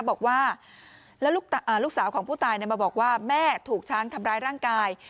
บอกว่าแล้วลูกสาวของผู้ตายมาบอกว่าแม่ถูกช้างทำร้ายร่างกาย